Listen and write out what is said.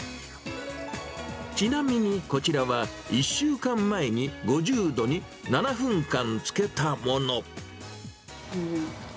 ちなみにこちらは、１週間前に５０度に７分間つけたもの。